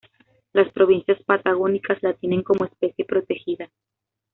Las provincias patagónicas la tienen como especie protegida.